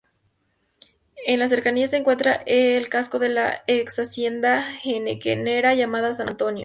En las cercanías se encuentra el casco de la exhacienda henequenera llamada San Antonio.